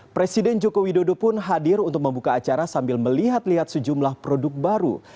presiden joko widodo pun hadir untuk membuka acara sambil melihat lihat sejumlah produk baru